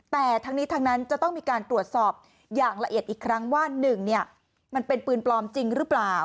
แต่ทั้งนี้ทั้งนั้นจะต้องมีการตรวจสอบอย่างละเอียดอีกครั้งว่า๑มันเป็นปืนปลอมจริงหรือเปล่า